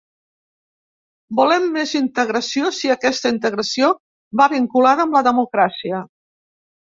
Volem més integració si aquesta integració va vinculada amb la democràcia.